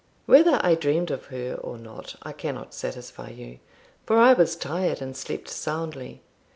Whether I dreamed of her or not, I cannot satisfy you, for I was tired and slept soundly.